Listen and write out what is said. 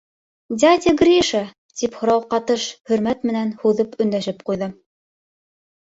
— Дядя Гриша... — тип һорау ҡатыш хөрмәт менән һуҙып өндәшеп ҡуйҙы.